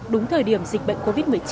đúng thời điểm dịch bệnh covid một mươi chín